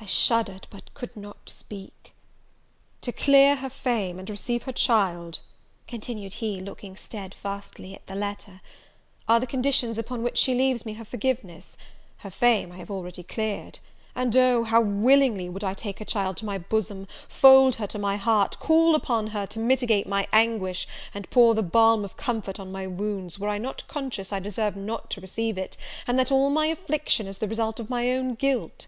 I shuddered, but could not speak. "To clear her fame, and receive her child," continued he, looking stedfastly at the letter, "are the conditions upon which she leaves me her forgiveness: her fame I have already cleared; and Oh, how willingly would I take her child to my bosom, fold her to my heart, call upon her to mitigate my anguish, and pour the balm of comfort on my wounds, were I not conscious I deserve not to receive it, and that all my affliction is the result of my own guilt!"